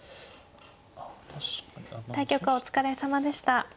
対局お疲れさまでした。